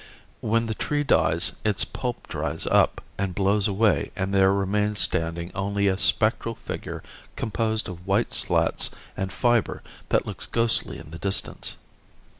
When the tree dies its pulp dries up and blows away and there remains standing only a spectral figure composed of white slats and fiber that looks ghostly in the distance.